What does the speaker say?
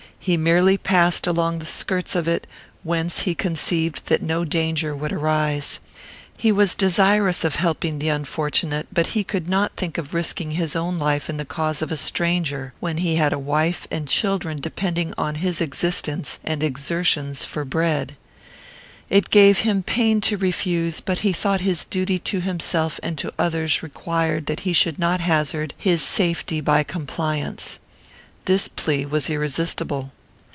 He merely passed along the skirts of it, whence he conceived that no danger would arise. He was desirous of helping the unfortunate; but he could not think of risking his own life in the cause of a stranger, when he had a wife and children depending on his existence and exertions for bread. It gave him pain to refuse, but he thought his duty to himself and to others required that he should not hazard his safety by compliance. This plea was irresistible.